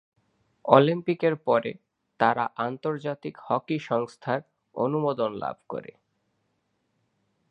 অলিম্পিকের পরে তারা আন্তর্জাতিক হকি সংস্থার অনুমোদন লাভ করে।